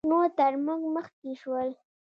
نور تر موږ مخکې شول